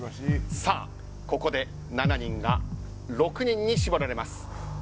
ここで７人が６人に絞られます。